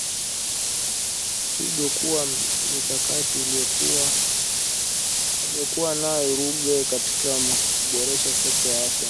pigo kwa kuwa mikakati aliyokuwa nayo Ruge katika kuiboresha sekta ya afya nchini